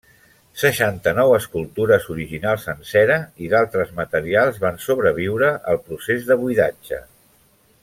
Seixanta-nou escultures originals en cera i d'altres materials van sobreviure el procés de buidatge.